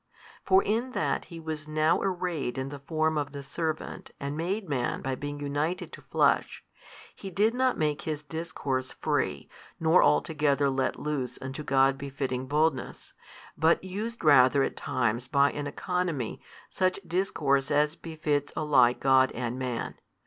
For in that He was now arrayed in the form of the servant and made Man by being united to flesh, He did not make His discourse free, nor altogether let loose unto God befitting boldness, but used rather at times by an economy such discourse as befits alike God and Man.